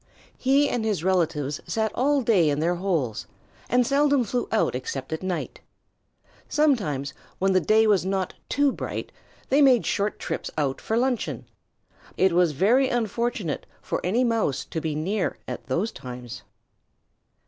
He and his relatives sat all day in their holes, and seldom flew out except at night. Sometimes, when the day was not too bright, they made short trips out for luncheon. It was very unfortunate for any Mouse to be near at those times.